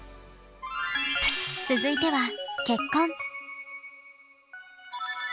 続いては結婚。